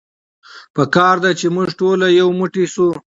په کار ده چې مونږ ټول يو موټی شو.